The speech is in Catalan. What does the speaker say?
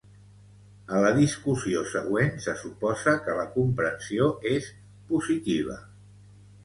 A la discussió següent se suposa que la comprensió és positiva.